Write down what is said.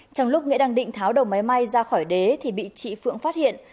trong lúc nghĩa đang định tháo đầu máy may ra khỏi đế thì bị chị phượng phát hiện